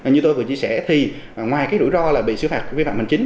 như tôi vừa chia sẻ thì ngoài cái rủi ro là bị xử phạt vi phạm hành chính